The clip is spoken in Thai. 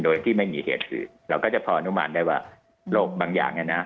โดยที่ไม่มีเหตุอื่นเราก็จะพออนุมานได้ว่าโรคบางอย่างเนี่ยนะ